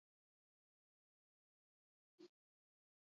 Igande honetan, denboraldian bizitzako unerik onenen errepasoa egingo dute.